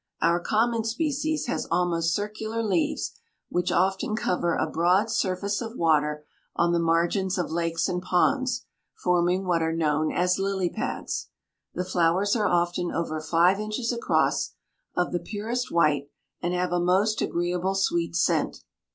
Our common species has almost circular leaves, which often cover a broad surface of water on the margins of lakes and ponds, forming what are known as lily pads. The flowers are often over five inches across, of the purest white, and have a most agreeable sweet scent.